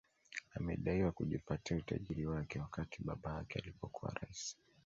Amedaiwa kujipatia utajiri wake wakati baba yake alipokuwa rais